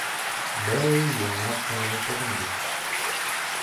Бәй, яңыраҡ ҡына йәшәгән бит.